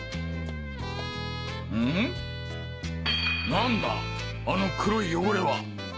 なんだあの黒い汚れは。